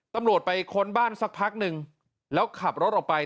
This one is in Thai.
ตำรวจไปค้นบ้านสักพักนึงแล้วขับรถออกไป